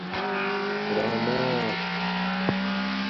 پُراناک